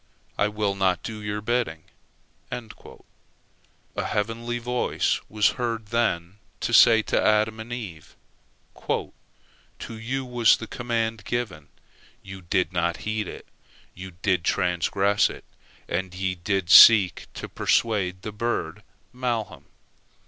I will not do your bidding." A heavenly voice was heard then to say to Adam and Eve: "To you was the command given. Ye did not heed it; ye did transgress it, and ye did seek to persuade the bird malham.